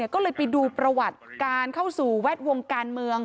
ก็เลยไปดูประวัติการเข้าสู่แวดวงการเมือง